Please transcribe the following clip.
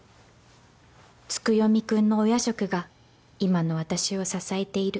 月読くんのお夜食が今の私を支えている